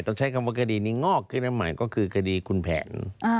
ต้องใช้คำว่าคดีนี้งอกขึ้นมาใหม่ก็คือคดีคุณแผน